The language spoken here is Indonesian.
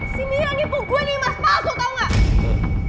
si mira nipu gue nih mas palsu tau gak